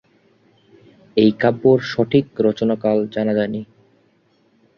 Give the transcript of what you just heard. এই কাব্যের সঠিক রচনাকাল জানা যায়নি।